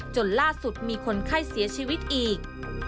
จนล่าสุดมีคนไข้เสียชีวิตอีก